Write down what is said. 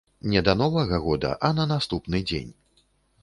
Не да новага года, а на наступны дзень.